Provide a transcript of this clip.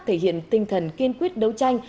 thể hiện tinh thần kiên quyết đấu tranh